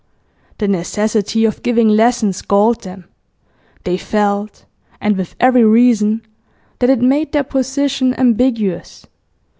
The necessity of giving lessons galled them; they felt and with every reason that it made their position ambiguous.